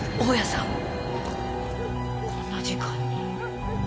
こんな時間に。